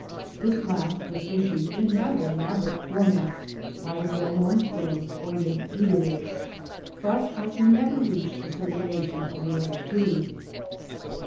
This last was issued in rather elaborate format by the well known firm, Eugen Diederichs, but has never reached the circulation of the other two.